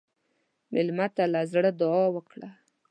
مېلمه ته له زړه دعا وکړه.